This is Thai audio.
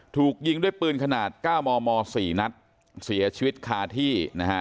ถูกยิงด้วยปืนขนาด๙มม๔นัดเสียชีวิตคาที่นะฮะ